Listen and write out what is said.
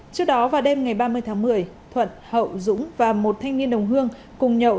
trước đó vào đêm ngày ba mươi tháng một mươi thuận hậu dũng và một thanh niên đồng hương cùng nhậu